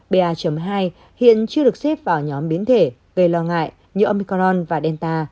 ba hai hiện chưa được xếp vào nhóm biến thể gây lo ngại như omicron và delta